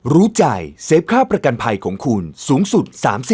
รู้ใจเซฟค่าประกันภัยของคุณสูงสุด๓๐